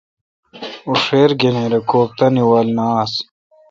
اوں ݭیر گنیر کو بی تانے وال ن آس۔